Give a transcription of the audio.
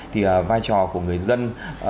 thì vai trò của người dân